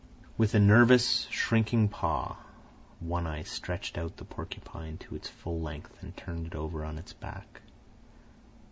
With a nervous, shrinking paw, One Eye stretched out the porcupine to its full length and turned it over on its back.